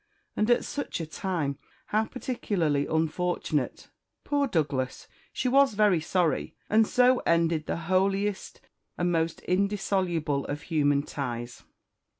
and, at such a time, how particularly unfortunate! Poor Douglas! she was very sorry! And so ended the holiest and most indissoluble of human ties!